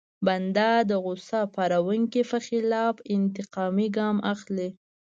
بنده د غوسه پاروونکي په خلاف انتقامي ګام اخلي.